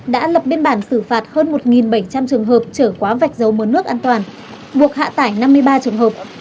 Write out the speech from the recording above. đã lập biên bản xử phạt hơn một bảy trăm linh trường hợp trở quá vạch dấu mờ nước an toàn buộc hạ tải năm mươi ba trường hợp